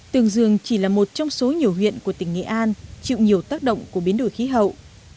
tương dương chỉ là một trong số nhiều huyện của tỉnh nghệ an chịu nhiều tác động của biến đổi khí hậu